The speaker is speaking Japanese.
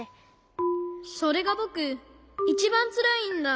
それがぼくいちばんつらいんだ。